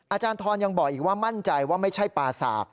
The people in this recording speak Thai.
อาจารย์ทรยังบอกอีกว่ามั่นใจว่าไม่ใช่ปลาสาก